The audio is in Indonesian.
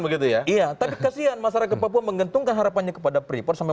begitu ya iya tapi kasihan masyarakat papua menggantungkan harapannya kepada pripor sampai